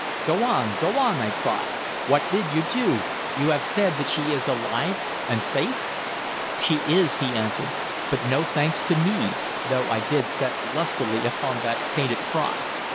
"Go on, go on!" I cried. "What did you do? You have said that she is alive and safe!" "She is," he answered, "but no thanks to me, though I did set lustily upon that painted fry.